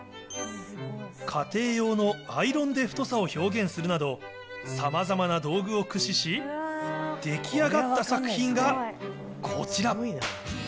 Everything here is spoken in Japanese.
家庭用のアイロンで太さを表現するなど、さまざまな道具を駆使し、出来上がった作品がこちら。